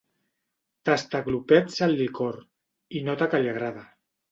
Tasta a glopets el licor, i nota que li agrada.